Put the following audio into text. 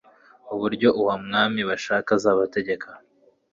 uburyo uwo mwami bashaka azabategeka